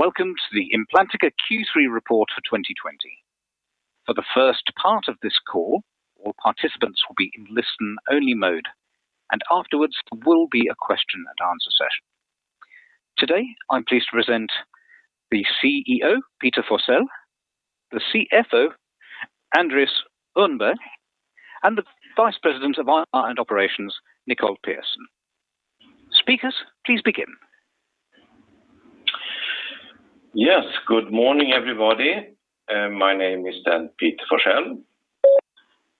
Welcome to the Implantica Q3 report for 2020. For the first part of this call, all participants will be in listen-only mode and afterwards there will be a question and answer session. Today, I'm pleased to present the CEO, Peter Forsell, the CFO, Andreas Öhrnberg, and the Vice President of Operations, Nicole Pehrsson. Speakers please begin. Yes. Good morning everybody. My name is Peter Forsell.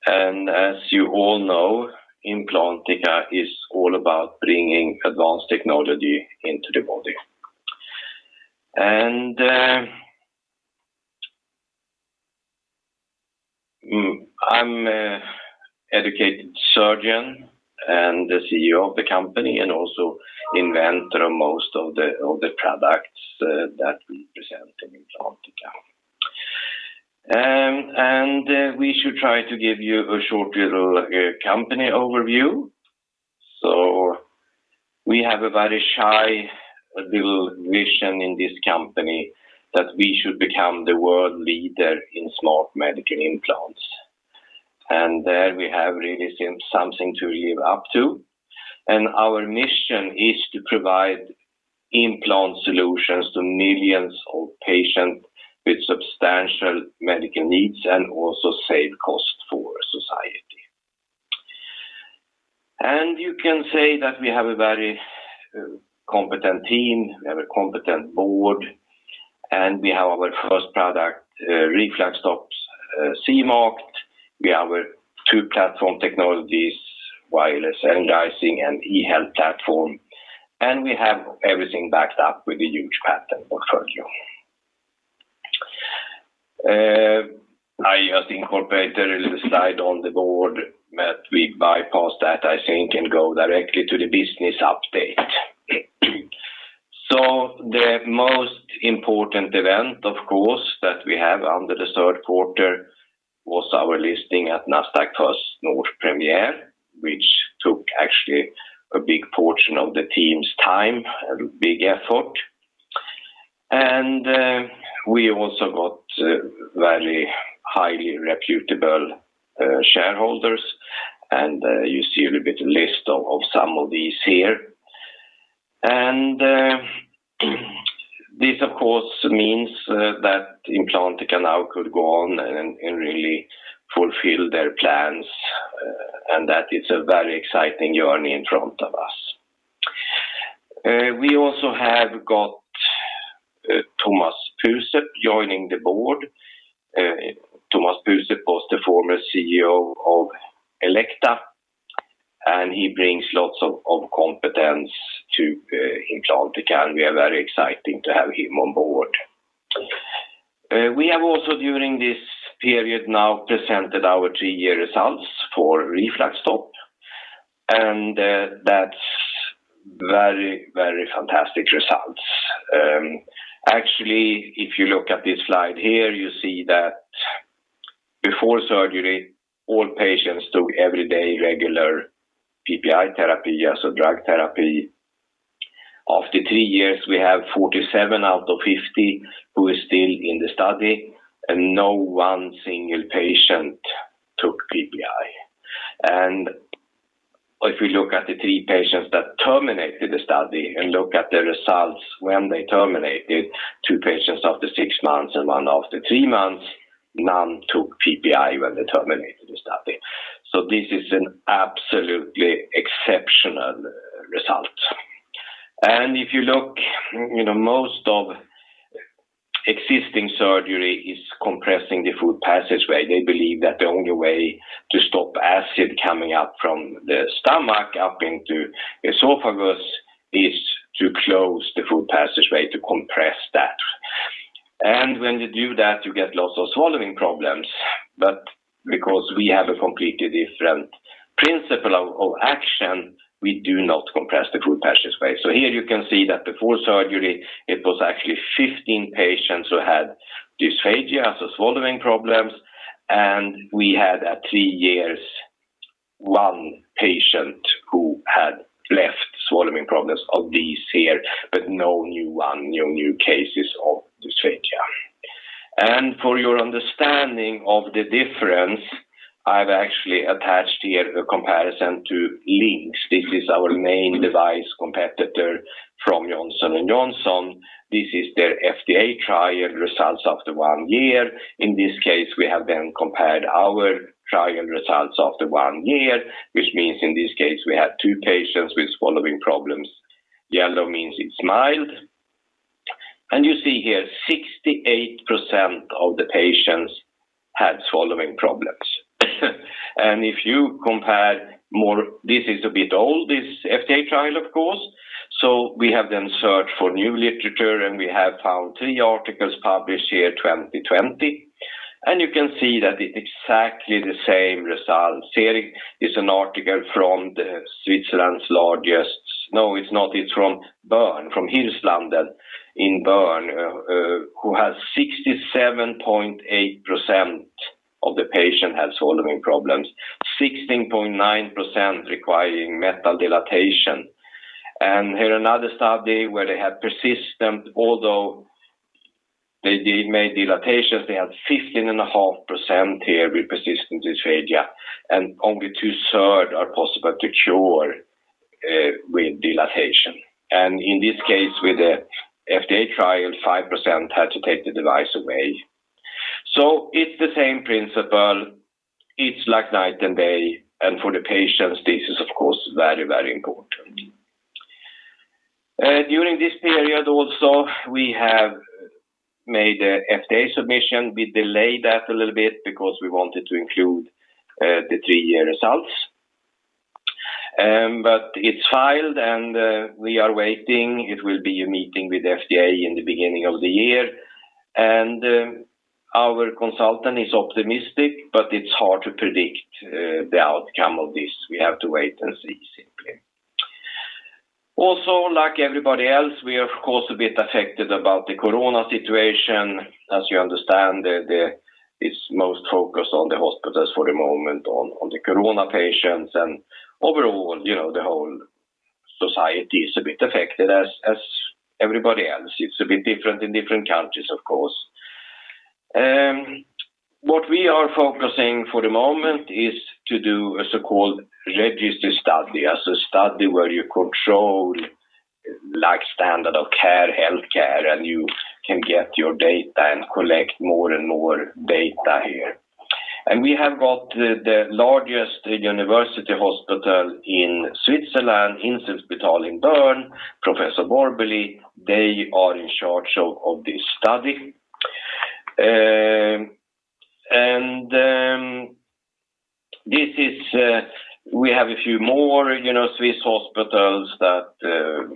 As you all know, Implantica is all about bringing advanced technology into the body. I'm an educated surgeon and the CEO of the company and also inventor of most of the products that we present in Implantica. We should try to give you a short little company overview. We have a very shy little vision in this company that we should become the world leader in smart medical implants. There we have really seen something to live up to. Our mission is to provide implant solutions to millions of patients with substantial medical needs and also save costs for society. You can say that we have a very competent team, we have a competent board, and we have our first product, RefluxStop, CE-marked. We have two platform technologies, wireless energizing and eHealth platform. We have everything backed up with a huge patent portfolio. I just incorporated a little slide on the board, but we bypass that, I think, and go directly to the business update. The most important event, of course, that we have under the third quarter was our listing at Nasdaq First North Premier, which took actually a big portion of the team's time, a big effort. We also got very highly reputable shareholders, and you see a little bit list of some of these here. This, of course, means that Implantica now could go on and really fulfill their plans, and that it's a very exciting journey in front of us. We also have got Tomas Puusepp joining the board. Tomas Puusepp was the former CEO of Elekta and he brings lots of competence to Implantica, and we are very exciting to have him on board. We have also during this period now, presented our three-year results for RefluxStop. That's very fantastic results. Actually, if you look at this slide here, you see that before surgery, all patients took everyday regular PPI therapy, so drug therapy. After three years, we have 47 out of 50 who are still in the study. Not one single patient took PPI. If we look at the three patients that terminated the study and look at the results when they terminated, two patients after six months and one after three months, none took PPI when they terminated the study. This is an absolutely exceptional result. If you look, most of existing surgery is compressing the food passageway. They believe that the only way to stop acid coming up from the stomach up into esophagus is to close the food passageway to compress that. When you do that, you get lots of swallowing problems. Because we have a completely different principle of action, we do not compress the food passageway. Here you can see that before surgery, it was actually 15 patients who had dysphagia, so swallowing problems. We had, at three years, one patient who had left swallowing problems of these here, but no new one, no new cases of dysphagia. For your understanding of the difference, I've actually attached here a comparison to LINX. This is our main device competitor from Johnson & Johnson. This is their FDA trial results after one year. In this case, we have compared our trial results after one year, which means in this case, we had two patients with swallowing problems. Yellow means it's mild. You see here, 68% of the patients had swallowing problems. If you compare more, this is a bit old, this FDA trial, of course. We have searched for new literature, and we have found three articles published here 2020, and you can see that it's exactly the same result. Here is an article from the Switzerlands. No, it's not. It's from Bern, from Hirslanden in Bern, who has 67.8% of the patient has swallowing problems, 16.9% requiring metal dilatation. Here, another study where they have persistent, although they did make dilatations, they had 15.5% here with persistent dysphagia, and only 2/3 are possible to cure with dilatation. In this case, with the FDA trial, 5% had to take the device away. It's the same principle. It's like night and day. For the patients, this is of course, very very important. During this period also, we have made a FDA submission. We delayed that a little bit because we wanted to include the three-year results. It's filed, and we are waiting. It will be a meeting with FDA in the beginning of the year. Our consultant is optimistic, but it's hard to predict the outcome of this. We have to wait and see, simply. Also, like everybody else, we are of course a bit affected about the corona situation. As you understand, it's most focused on the hospitals for the moment, on the corona patients. Overall, the whole society is a bit affected as everybody else. It's a bit different in different countries, of course. What we are focusing for the moment is to do a so-called register study. That's a study where you control standard of care health care, and you can get your data and collect more and more data here. We have got the largest university hospital in Switzerland, Inselspital in Bern, Professor Borbély, they are in charge of this study. We have a few more Swiss hospitals that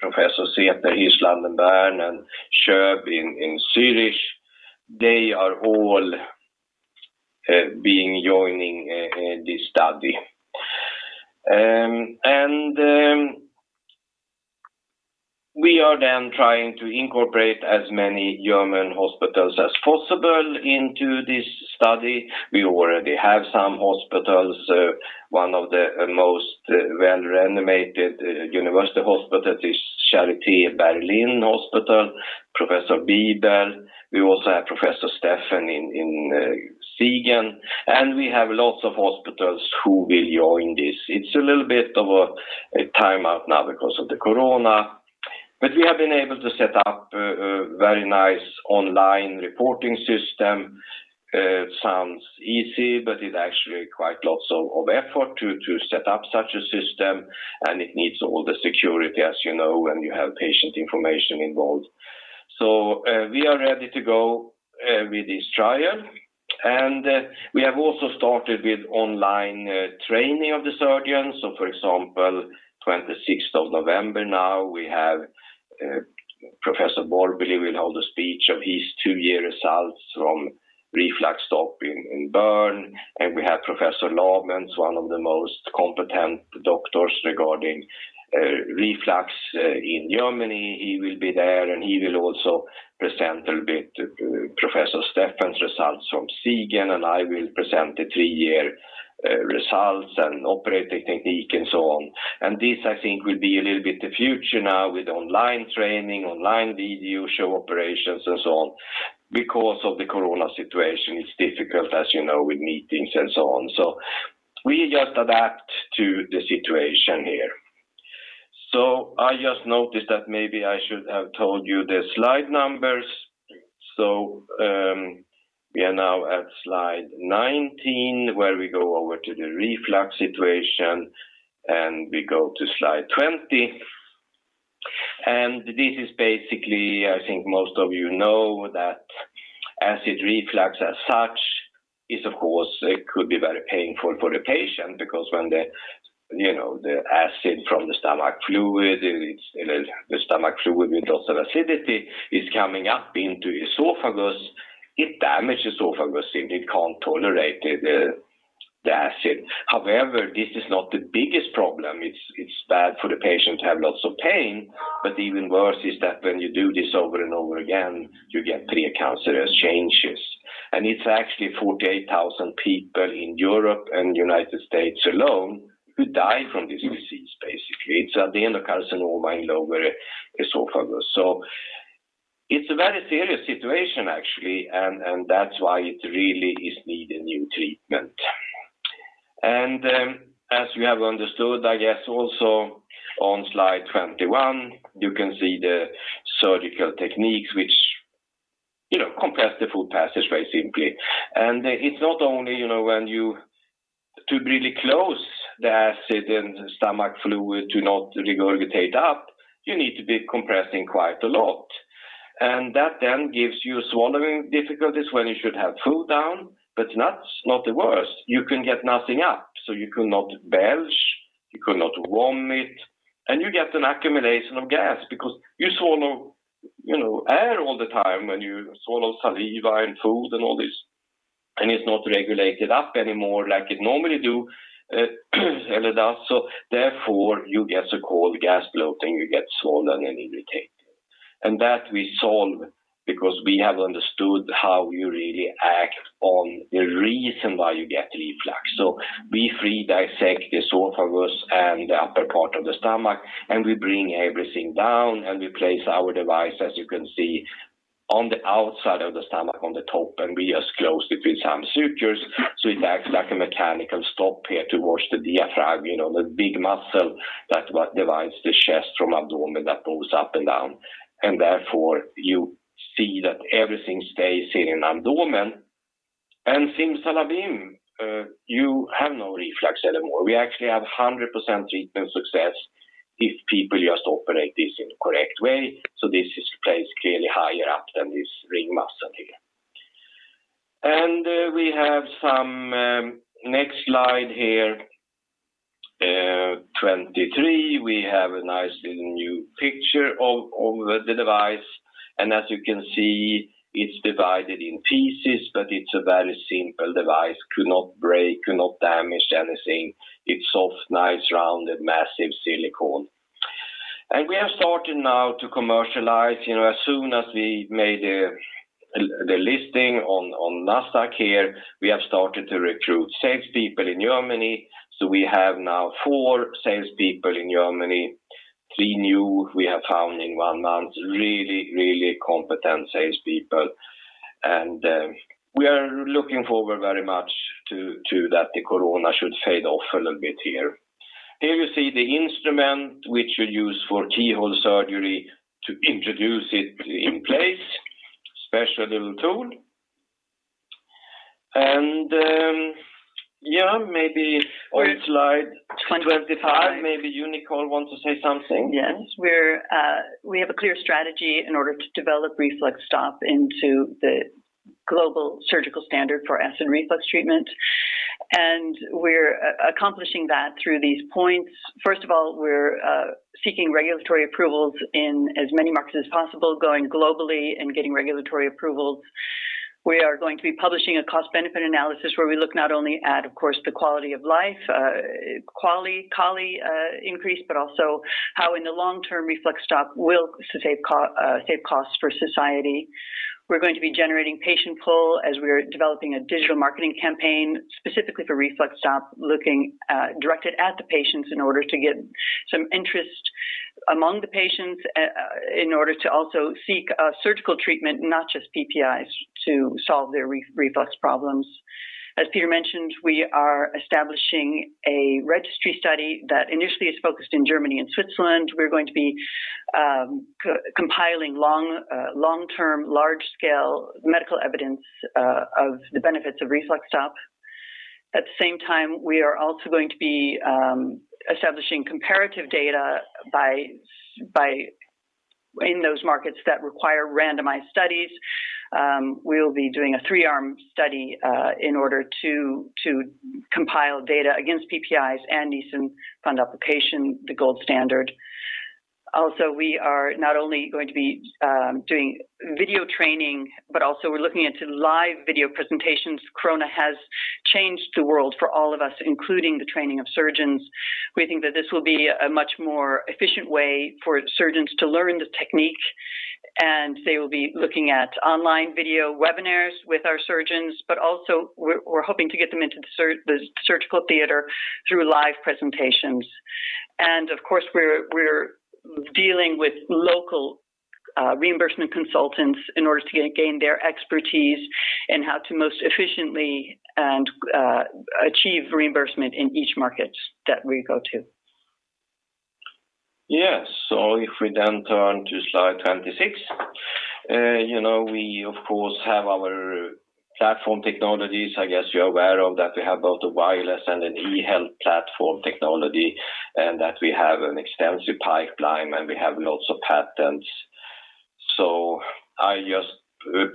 Professor Seiler, Inselspital Bern, and Tschopp in Zurich, they are all joining this study. We are then trying to incorporate as many German hospitals as possible into this study. We already have some hospitals. One of the most well-renowned university hospital is Charité Berlin Hospital, Professor Beier. We also have Professor Labenz in Siegen. We have lots of hospitals who will join this. It's a little bit of a timeout now because of the corona. We have been able to set up a very nice online reporting system. It sounds easy, it actually required lots of effort to set up such a system, and it needs all the security, as you know, when you have patient information involved. We are ready to go with this trial. We have also started with online training of the surgeons. For example, 26th of November now, we have Professor Borbély will hold a speech of his 2-year results from RefluxStop in Bern. We have Professor Karl-Hermann Fuchs, one of the most competent doctors regarding reflux in Germany. He will be there, he will also present a little bit Professor Labenz's results from Siegen, I will present the 3-year results and operating technique and so on. This, I think, will be a little bit the future now with online training, online video show operations and so on. Because of the corona situation, it's difficult, as you know, with meetings and so on. We just adapt to the situation here. I just noticed that maybe I should have told you the slide numbers. We are now at slide 19, where we go over to the reflux situation, and we go to slide 20. This is basically, I think most of you know that acid reflux as such is, of course, could be very painful for the patient because when the acid from the stomach fluid with lots of acidity is coming up into esophagus, it damages esophagus. It can't tolerate the acid. However, this is not the biggest problem. It's bad for the patient to have lots of pain, but even worse is that when you do this over and over again, you get precancerous changes. It's actually 48,000 people in Europe and U.S. alone who die from this disease, basically. It's adenocarcinoma in lower esophagus. It's a very serious situation, actually, and that's why it really is need a new treatment. As we have understood, I guess also on slide 21, you can see the surgical techniques which compress the food passage very simply. It's not only to really close the acid and stomach fluid to not regurgitate up, you need to be compressing quite a lot. That then gives you swallowing difficulties when you should have food down, but that's not the worst. You can get nothing up. You could not belch, you could not vomit, and you get an accumulation of gas because you swallow air all the time when you swallow saliva and food and all this, and it's not regulated up anymore like it normally do and it does. That we solve because we have understood how you really act on the reason why you get reflux. We free dissect the esophagus and the upper part of the stomach, and we bring everything down, and we place our device, as you can see, on the outside of the stomach on the top, and we just close it with some sutures. It acts like a mechanical stop here towards the diaphragm, the big muscle that divides the chest from abdomen that goes up and down. Therefore, you see that everything stays in abdomen. Simsalabim, you have no reflux anymore. We actually have 100% treatment success if people just operate this in the correct way. This is placed clearly higher up than this ring muscle here. We have some, next slide here, 23. We have a nice little new picture of the device. As you can see, it's divided in pieces, but it's a very simple device. Could not break, could not damage anything. It's soft, nice, rounded, massive silicone. We have started now to commercialize. As soon as we made the listing on Nasdaq here, we have started to recruit salespeople in Germany. We have now four salespeople in Germany, three new we have found in one month. Really competent salespeople. We are looking forward very much to that the Corona should fade off a little bit here. Here you see the instrument which we use for keyhole surgery to introduce it in place. Special little tool. Maybe slide 25. Maybe Nicole want to say something. Yes. We have a clear strategy in order to develop RefluxStop into the global surgical standard for acid reflux treatment. We're accomplishing that through these points. First of all, we're seeking regulatory approvals in as many markets as possible, going globally and getting regulatory approvals. We are going to be publishing a cost-benefit analysis where we look not only at, of course, the quality of life, QALY increase, but also how in the long term RefluxStop will save costs for society. We're going to be generating patient pull as we're developing a digital marketing campaign specifically for RefluxStop, directed at the patients in order to get some interest among the patients, in order to also seek surgical treatment, not just PPIs, to solve their reflux problems. As Peter mentioned, we are establishing a registry study that initially is focused in Germany and Switzerland. We're going to be compiling long-term, large-scale medical evidence of the benefits of RefluxStop. At the same time, we are also going to be establishing comparative data in those markets that require randomized studies. We'll be doing a 3-arm study in order to compile data against PPIs and Nissen fundoplication, the gold standard. We are not only going to be doing video training, but also we're looking into live video presentations. Corona has changed the world for all of us, including the training of surgeons. We think that this will be a much more efficient way for surgeons to learn the technique, they will be looking at online video webinars with our surgeons. We're hoping to get them into the surgical theater through live presentations. Of course, we're dealing with local reimbursement consultants in order to gain their expertise in how to most efficiently achieve reimbursement in each market that we go to. Yes. If we turn to slide 26. We, of course, have our platform technologies. I guess you're aware of that. We have both a wireless and an eHealth platform technology and that we have an extensive pipeline, and we have lots of patents. I just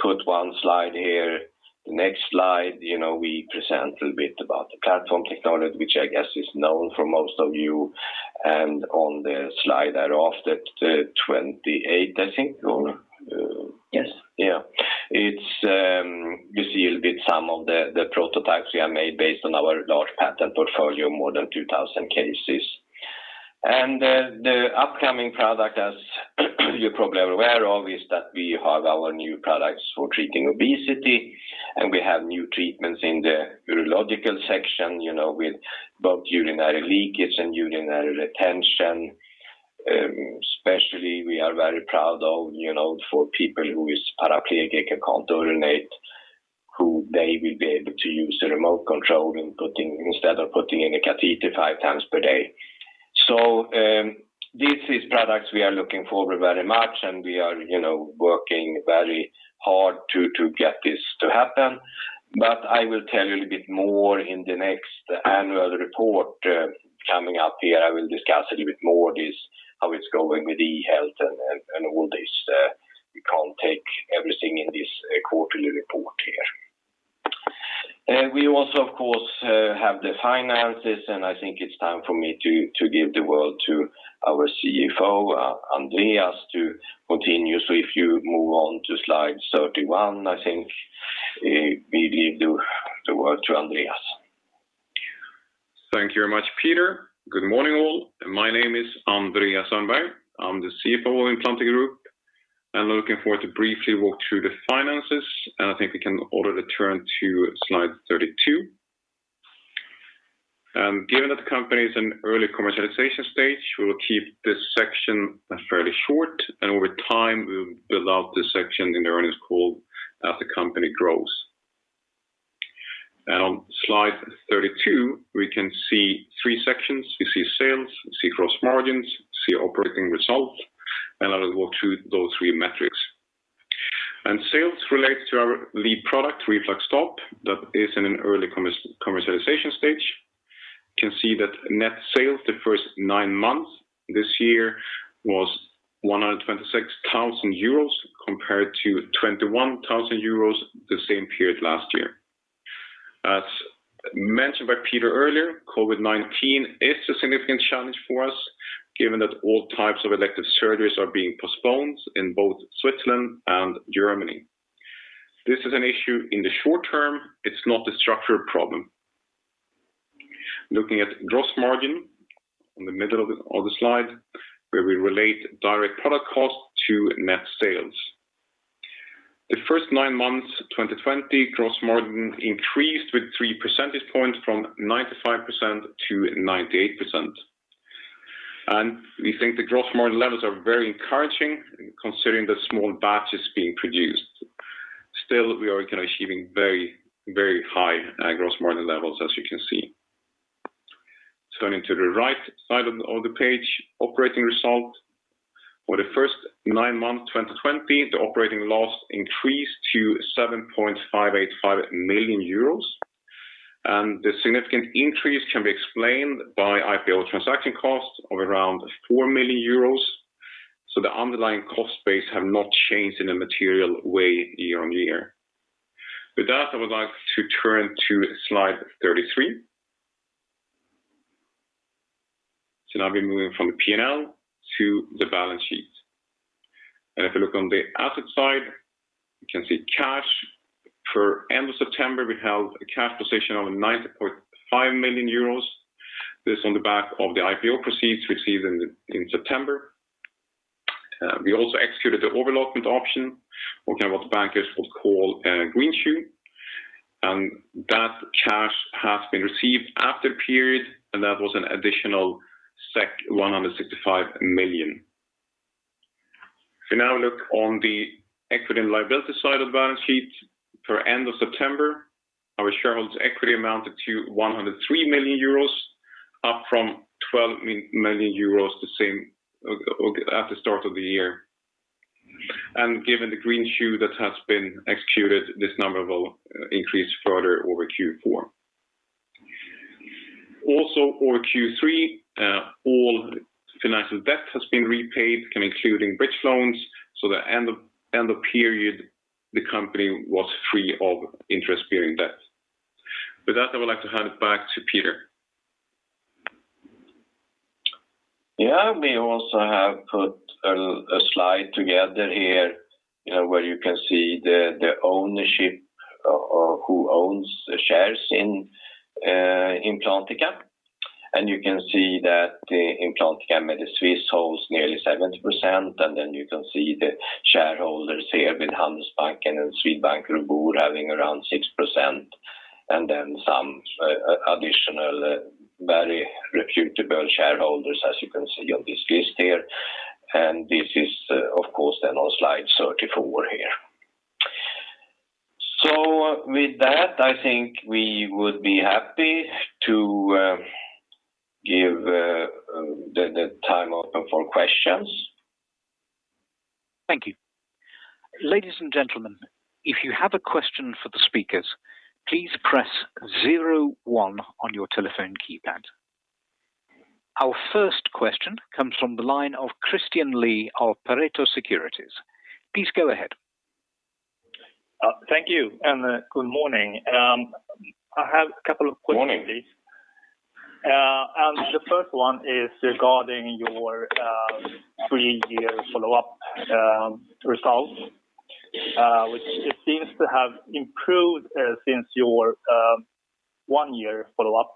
put one slide here. The next slide, we present a little bit about the platform technology, which I guess is known for most of you. On the slide after that, 28, I think. Yes. Yeah. You see a little bit some of the prototypes we have made based on our large patent portfolio, more than 2,000 cases. The upcoming product, as you're probably aware of, is that we have our new products for treating obesity, and we have new treatments in the urological section, with both urinary leakage and urinary retention. Especially, we are very proud of for people who is paraplegic and can't urinate, who they will be able to use the remote control instead of putting in a catheter 5x per day. These is products we are looking forward very much, and we are working very hard to get this to happen. I will tell you a little bit more in the next annual report coming up here. I will discuss a little bit more how it's going with eHealth and all this. We can't take everything in this quarterly report here. We also, of course, have the finances, and I think it's time for me to give the word to our CFO, Andreas to continue. If you move on to slide 31, I think we give the word to Andreas. Thank you very much Peter. Good morning all. My name is Andreas Öhrnberg. I'm the CFO of Implantica, and looking forward to briefly walk through the finances, and I think we can already turn to slide 32. Given that the company is in early commercialization stage, we will keep this section fairly short, and over time, we will build out this section in the earnings call as the company grows. On slide 32, we can see three sections. We see sales, we see gross margins, see operating results. I will walk through those three metrics. Sales relates to our lead product, RefluxStop. That is in an early commercialization stage. We can see that net sales the first nine months this year was 126,000 euros compared to 21,000 euros the same period last year. As mentioned by Peter earlier, COVID-19 is a significant challenge for us given that all types of elective surgeries are being postponed in both Switzerland and Germany. This is an issue in the short term. It is not a structural problem. Looking at gross margin on the middle of the slide, where we relate direct product cost to net sales. The first nine months 2020 gross margin increased with three percentage points from 95%-98%. We think the gross margin levels are very encouraging considering the small batch is being produced. Still, we are achieving very high gross margin levels as you can see. Turning to the right side of the page, operating result. For the first nine months 2020, the operating loss increased to 7.585 million euros. The significant increase can be explained by IPO transaction costs of around 4 million euros. The underlying cost base have not changed in a material way year-over-year. With that, I would like to turn to slide 33. Now we're moving from the P&L to the balance sheet. If you look on the asset side, you can see cash per end of September, we have a cash position of 9.5 million euros. This on the back of the IPO proceeds received in September. We also executed the over-allotment option for what the bankers would call a greenshoe. That cash has been received after period, and that was an additional 165 million. If you now look on the equity and liability side of the balance sheet per end of September, our shareholders' equity amounted to 103 million euros, up from 12 million euros at the start of the year. Given the greenshoe that has been executed, this number will increase further over Q4. For Q3, all financial debt has been repaid, including bridge loans. At end of period, the company was free of interest-bearing debt. With that, I would like to hand it back to Peter. Yeah, we also have put a slide together here where you can see the ownership of who owns shares in Implantica. You can see that the Implantica MediSwiss holds nearly 70%, then you can see the shareholders here with Handelsbanken and Swedbank Robur having around 6%. Then some additional very reputable shareholders as you can see on this list here. This is, of course, then on slide 34 here. With that, I think we would be happy to give the time open for questions. Thank you. Ladies and gentlemen if you have a question for the speakers, please press zero one on your telephone keypad. Our first question comes from the line of Christian Lee of Pareto Securities. Please go ahead. Thank you. Good morning. I have a couple of questions please. Morning. The first one is regarding your three-year follow-up results, which it seems to have improved since your one-year follow-up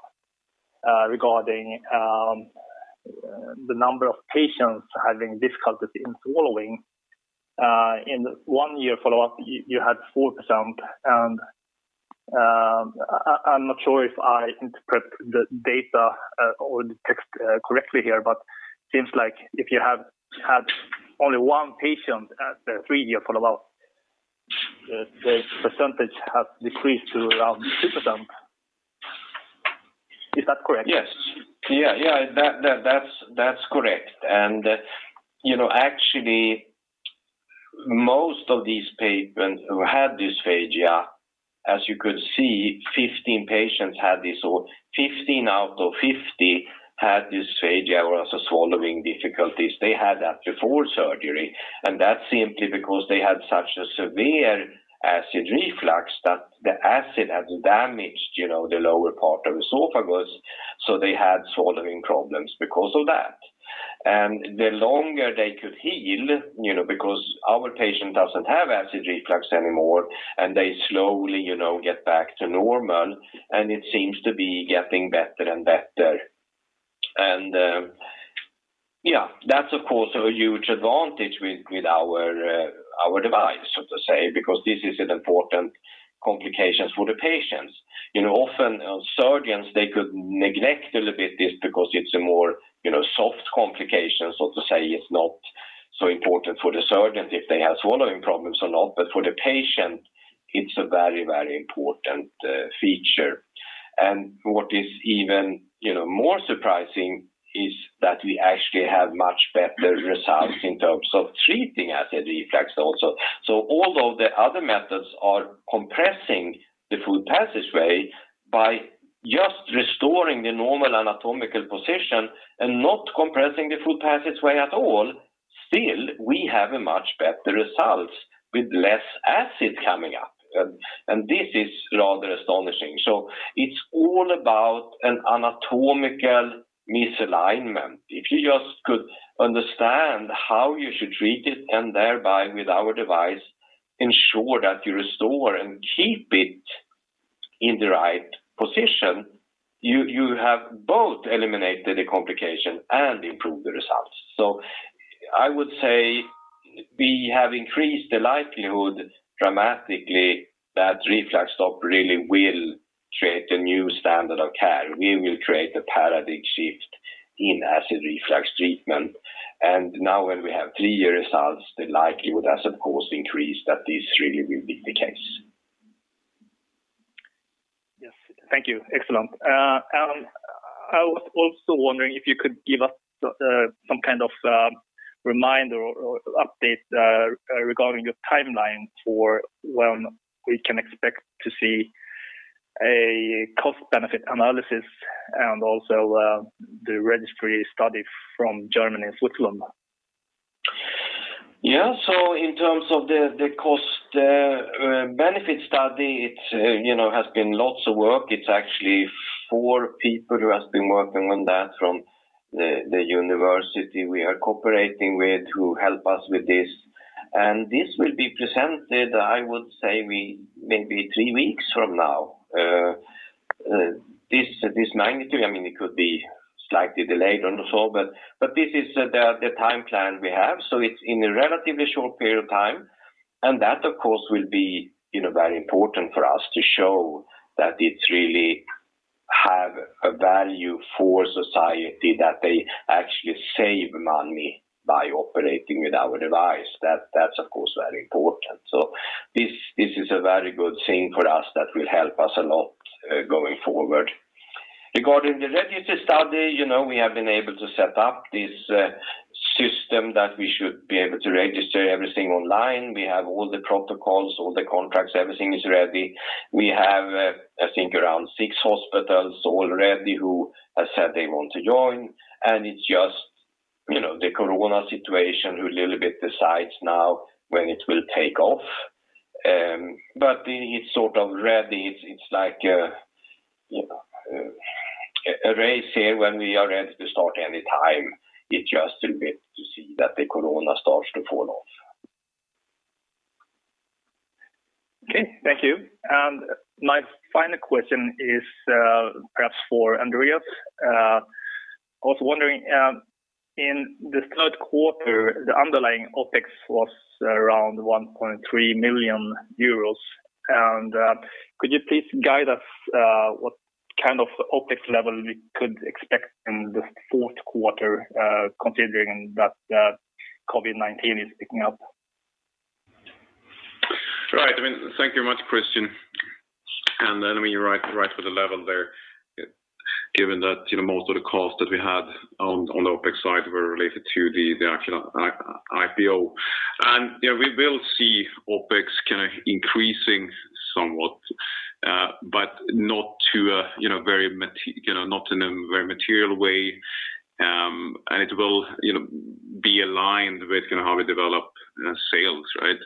regarding the number of patients having difficulty in swallowing. In one-year follow-up, you had 4%. I'm not sure if I interpret the data or the text correctly here, but seems like if you have had only one patient at the three-year follow-up, the percentage has decreased to around 2%. Is that correct? Yes. That's correct. Actually, most of these patients who had dysphagia, as you could see, 15 patients had this, or 15 out of 50 had dysphagia or swallowing difficulties. They had that before surgery, and that's simply because they had such a severe acid reflux that the acid had damaged the lower part of the esophagus. They had swallowing problems because of that. The longer they could heal, because our patient doesn't have acid reflux anymore, and they slowly get back to normal, and it seems to be getting better and better. That's, of course, a huge advantage with our device, so to say, because this is an important complication for the patients. Often, surgeons, they could neglect a little bit this because it's a more soft complication so to say. It's not so important for the surgeon if they have swallowing problems or not, but for the patient, it's a very important feature. What is even more surprising is that we actually have much better results in terms of treating acid reflux also. Although the other methods are compressing the food passageway, by just restoring the normal anatomical position and not compressing the food passageway at all, still, we have a much better result with less acid coming up. This is rather astonishing. It's all about an anatomical misalignment. If you just could understand how you should treat it, and thereby with our device ensure that you restore and keep it in the right position, you have both eliminated the complication and improved the results. I would say we have increased the likelihood dramatically that RefluxStop really will create a new standard of care. We will create a paradigm shift in acid reflux treatment. Now when we have three results, the likelihood has, of course, increased that this really will be the case. Yes. Thank you. Excellent. I was also wondering if you could give us some kind of reminder or update regarding your timeline for when we can expect to see a cost-benefit analysis and also the registry study from Germany and Switzerland. Yeah. In terms of the cost-benefit study, it has been lots of work. It's actually four people who has been working on that from the university we are cooperating with to help us with this. This will be presented, I would say, maybe three weeks from now. This magnitude, it could be slightly delayed and so, this is the time plan we have. It's in a relatively short period of time, that, of course, will be very important for us to show that it really have a value for society, that they actually save money by operating with our device. That's, of course, very important. This is a very good thing for us that will help us a lot going forward. Regarding the registry study, we have been able to set up this system that we should be able to register everything online. We have all the protocols, all the contracts, everything is ready. We have, I think, around six hospitals already who have said they want to join, and it's just the COVID situation who little bit decides now when it will take off. It's sort of ready. It's like a race here when we are ready to start any time. It's just to wait to see that the COVID starts to fall off. Okay. Thank you. My final question is perhaps for Andreas. I was wondering, in the third quarter, the underlying OpEx was around 1.3 million euros. Could you please guide us what kind of OpEx level we could expect in the fourth quarter considering that COVID-19 is picking up? Right. Thank you much Christian. You're right with the level there, given that most of the cost that we had on the OpEx side were related to the actual IPO. We will see OpEx increasing somewhat, but not in a very material way. It will be aligned with how we develop sales, right?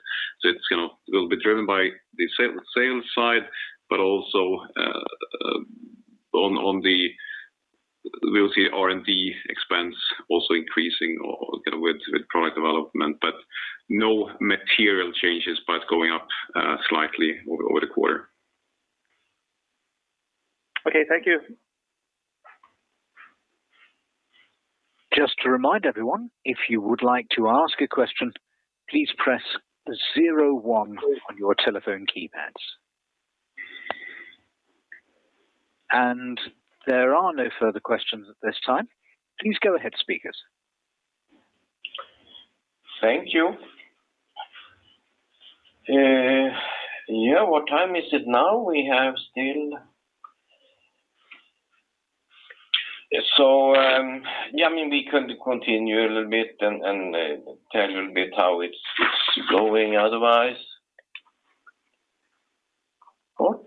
It'll be driven by the sales side, but also we'll see R&D expense also increasing with product development. No material changes, but going up slightly over the quarter. Okay. Thank you. Just to remind everyone, if you would like to ask a question, please press zero one on your telephone keypads. There are no further questions at this time. Please go ahead speakers. Thank you. What time is it now? I mean, we could continue a little bit and tell a little bit how it's going otherwise. Sure.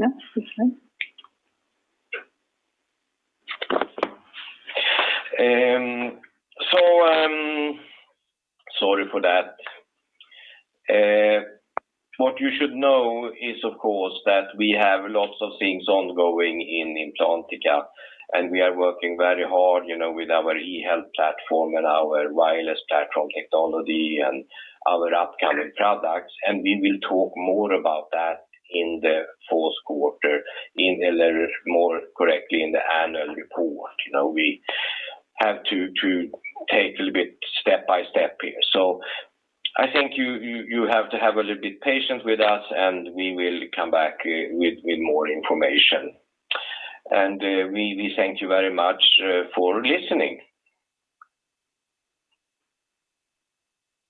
Yeah it's fine. Sorry for that. What you should know is, of course, that we have lots of things ongoing in Implantica, and we are working very hard with our eHealth platform and our wireless technology and our upcoming products, and we will talk more about that in the fourth quarter, or more correctly, in the annual report. We have to take little bit step by step here. I think you have to have a little bit patience with us, and we will come back with more information. We thank you very much for listening.